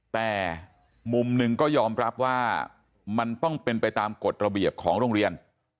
แต่มุมหนึ่งก็ยอมรับว่ามันต้องเป็นไปตามกฎระเบียบของโรงเรียน